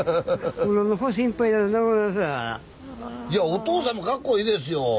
いやおとうさんもかっこいいですよ。